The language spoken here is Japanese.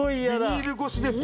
ビニール越しでも？